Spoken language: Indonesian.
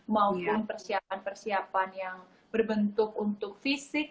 maupun persiapan persiapan yang berbentuk untuk fisik